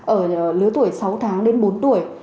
ở lứa tuổi sáu tháng đến bốn tuổi